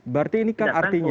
berarti ini kan artinya